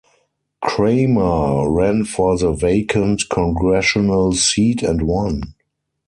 Cramer ran for the vacant Congressional seat and won.